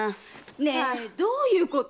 ねえどういうこと？